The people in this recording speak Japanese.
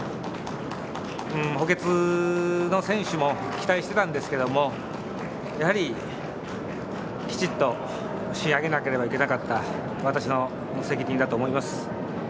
補欠の選手も期待していたんですけれど、やはり、きちんと仕上げなければいけなかった、私の責任だと思います。